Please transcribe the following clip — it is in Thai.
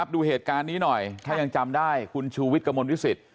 ดูเหตุการณ์นี้หน่อยถ้ายังจำได้คุณชูวิทย์กระมวลวิสิต